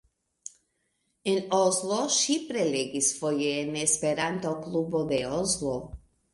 En Oslo ŝi prelegis foje en Esperanto-klubo de Oslo.